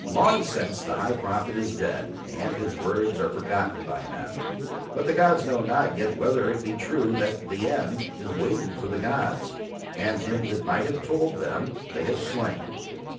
Long since the High Prophet is dead and his words are forgotten by men, but the gods know not yet whether it be true that The End is waiting for the gods, and him who might have told Them They have slain.